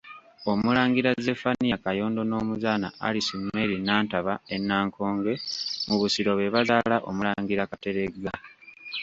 Omulangira Zephania Kayondo n’Omuzaana Alice Mary Nantaba e Nankonge mu Busiro be bazaala Omulangira Kateregga.